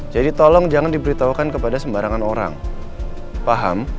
jadi tolong jangan diberitahukan kepada sembarangan orang paham